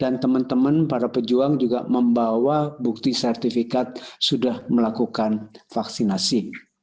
dan teman teman para pejuang juga membawa bukti sertifikat sudah melakukan vaksinasi